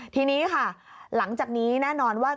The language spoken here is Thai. ทีนี้ค่ะหลังจากนี้แน่นอนว่า